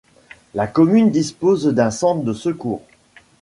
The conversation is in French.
La commune dispose d'un centre de secours.